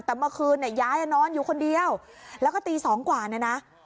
แต่เมื่อคืนเนี่ยยายนอนอยู่คนเดียวแล้วก็ตีสองกว่าเนี่ยนะ